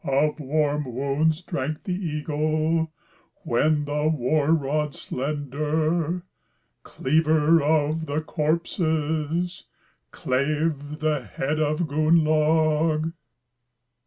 Of warm wounds drank the eagle, When the war rod slender, Cleaver of the corpses, Clave the head of Gunnlaug."